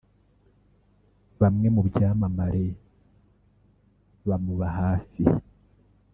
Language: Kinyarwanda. bamwe mu byamamare bamuba hafi